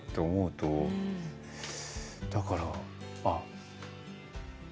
だからああ。